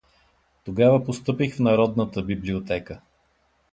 Тогава постъпих в Народната библиотека.